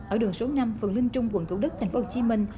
ở đường số năm phường linh trung quận thủ đức thành phố hồ chí minh